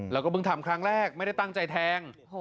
แล้วก็เพิ่งทำครั้งแรกไม่ได้ตั้งใจแทง